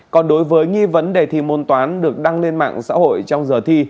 còn đối với nghi vấn đề thi môn toán được đăng lên mạng xã hội trong giờ thi